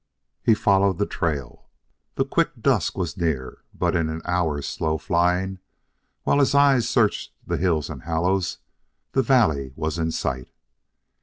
He followed the trail. The quick dusk was near; but in an hour's slow flying, while his eyes searched the hills and hollows, the valley was in sight.